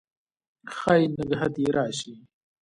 ښايي نګهت یې راشي